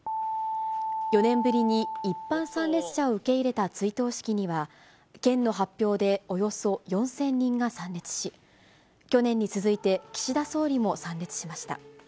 ４年ぶりに一般参列者を受け入れた追悼式には、県の発表でおよそ４０００人が参列し、去年に続いて岸田総理も参列しました。